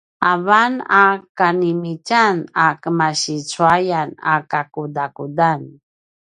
avan a kanimitjan a kemasi cuayan a kakudakudan